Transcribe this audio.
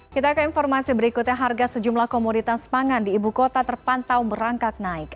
kita ke informasi berikutnya harga sejumlah komoditas pangan di ibu kota terpantau merangkak naik